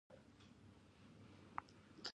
ایا مصنوعي ځیرکتیا د اقتصادي نابرابرۍ لامل نه ګرځي؟